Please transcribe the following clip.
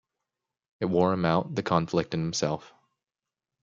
It wore him out, the conflict in himself.